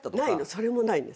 それもないんです。